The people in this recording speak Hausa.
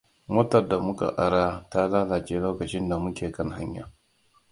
Motar da muka ara ta lalace lokacin da muke kan hanya.